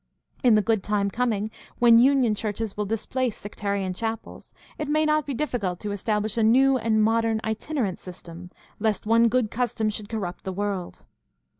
In the good time coming, when union churches will displace sectarian chapels, it may not be difficult to estabhsh a new and modern itinerant system, "lest one good custom should corrupt the world."